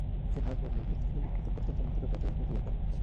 Genadio había estudiado y escrito extensamente sobre teología occidental.